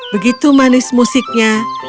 begitu manis musiknya